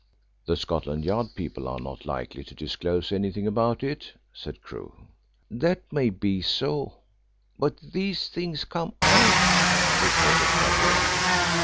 "The Scotland Yard people are not likely to disclose anything about it," said Crewe. "That may be so, but these things come out," retorted Gabrielle.